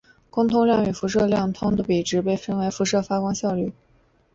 光通量与辐射通量的比值称为辐射发光效率。